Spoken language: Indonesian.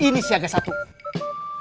gunung ke goban odds mendatangka hidup